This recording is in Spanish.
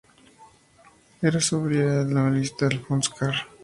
Era sobrina del novelista Alphonse Karr.